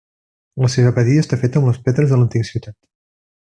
La seva abadia està feta amb les pedres de l'antiga ciutat.